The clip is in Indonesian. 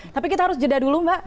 tapi kita harus jeda dulu mbak